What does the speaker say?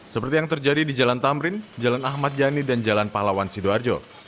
seperti yang terjadi di jalan tamrin jalan ahmad yani dan jalan pahlawan sidoarjo